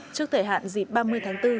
trước thời hạn dịp ba mươi tháng bốn